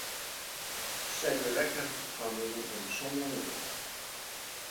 Set de wekker foar moarn om sân oere.